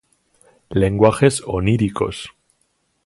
Lenguajes oníricos.